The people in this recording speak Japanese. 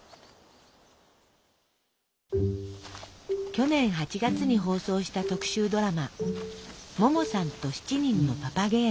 去年８月に放送した特集ドラマ「ももさんと７人のパパゲーノ」。